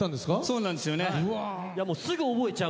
・そうなんですよね。